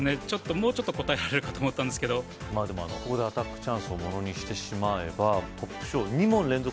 もうちょっと答えられるかと思ったんですけどまぁでもここでアタックチャンスをものにしてしまえばトップ賞２問連続